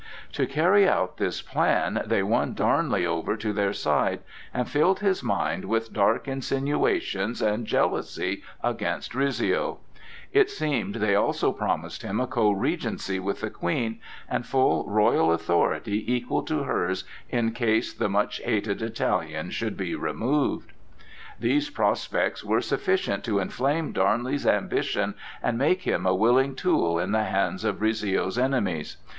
To carry out this plan they won Darnley over to their side, and filled his mind with dark insinuations and jealousy against Rizzio. It seems they also promised him a co regency with the Queen, and full royal authority equal to hers in case the much hated Italian should be removed. These prospects were sufficient to inflame Darnley's ambition and make him a willing tool in the hands of Rizzio's enemies.